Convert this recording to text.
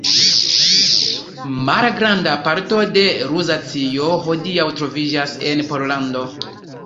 Malgranda parto de Luzacio hodiaŭ troviĝas en Pollando.